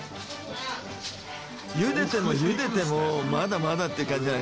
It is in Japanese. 茹でても茹でてもまだまだって感じじゃない？